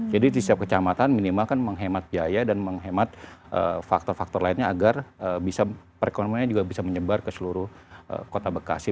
jadi di setiap kecamatan minimal kan menghemat biaya dan menghemat faktor faktor lainnya agar perekonomiannya juga bisa menyebar ke seluruh kota bekasi